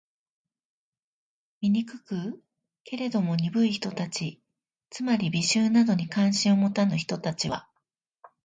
醜く？けれども、鈍い人たち（つまり、美醜などに関心を持たぬ人たち）は、